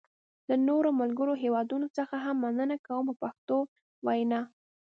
له نورو ملګرو هېوادونو څخه هم مننه کوم په پښتو وینا.